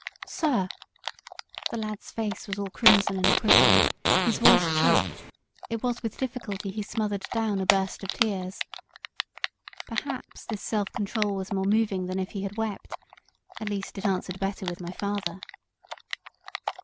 "Sir!" The lad's face was all crimson and quivering; his voice choked; it was with difficulty he smothered down a burst of tears. Perhaps this self control was more moving than if he had wept at least, it answered better with my father.